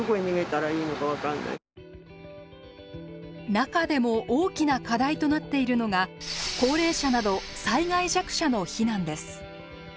中でも大きな課題となっているのが高齢者など災害弱者の避難です。